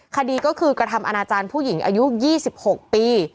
คดีก็คือกระทำอนาจารย์ผู้หญิงอายุ๒๖ปี